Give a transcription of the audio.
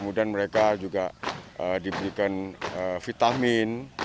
kemudian mereka juga diberikan vitamin